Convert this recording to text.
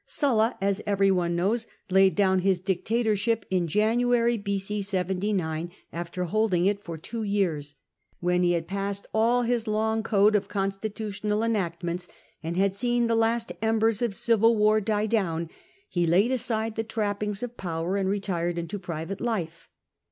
Sulla, as every one knows, laid down his dictatorship in January B.c. 79, after holding it for two years. When he had passed all his long code of constitutional enactments, and had seen the last embers of civil war die down, he laid aside the trappings of power and retired into private life.